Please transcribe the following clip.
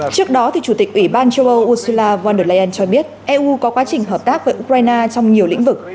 trước đó chủ tịch ủy ban châu âu ursula von der leyen cho biết eu có quá trình hợp tác với ukraine trong nhiều lĩnh vực